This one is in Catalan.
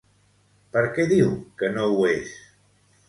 Per què diu que no ho és?